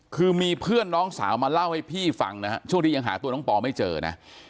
คือมีเพื่อนน้องสาวมาเล่าให้พี่ฟังนะฮะช่วงที่ยังหาตัวน้องปอไม่เจอนะ